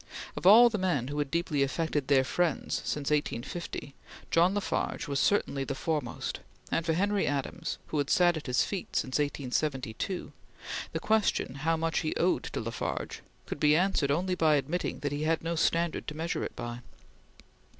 Of all the men who had deeply affected their friends since 1850 John La Farge was certainly the foremost, and for Henry Adams, who had sat at his feet since 1872, the question how much he owed to La Farge could be answered only by admitting that he had no standard to measure it by.